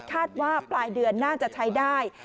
คาดว่าปลายเดือนน่าจะใช้ได้